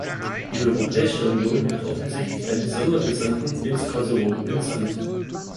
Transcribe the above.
Die Europäische Union hat offensichtlich einen Sondergesandten ins Kosovo entsandt.